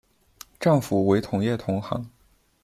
丈夫为同业同行。